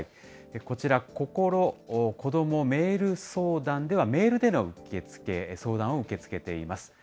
こちら、こころ×子どもメール相談ではメールでの受け付け、相談を受け付けています。